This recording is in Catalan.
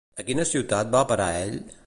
A quina ciutat va parar ell?